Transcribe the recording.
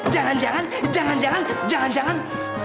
jangan jangan jangan jangan jangan jangan